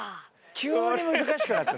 急に難しくなった。